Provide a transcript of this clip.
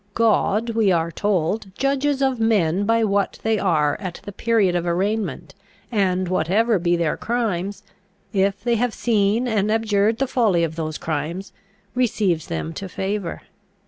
God, we are told, judges of men by what they are at the period of arraignment, and whatever be their crimes, if they have seen and abjured the folly of those crimes, receives them to favour.